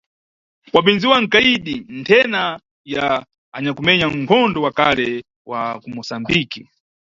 Wapindziwa nkayidi nthena ya anyakumenya nkhondo wa kale wa ku Musambiki.